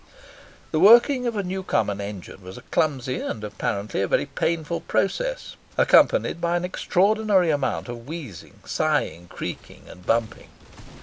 The working of a Newcomen engine was a clumsy and apparently a very painful process, accompanied by an extraordinary amount of wheezing, sighing, creaking, and bumping.